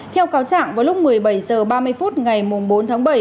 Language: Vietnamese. theo cáo chẳng vào lúc một mươi bảy giờ ba mươi phút ngày bốn tháng bảy